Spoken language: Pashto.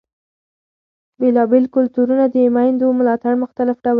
بېلابېل کلتورونه د مېندو ملاتړ مختلف ډول لري.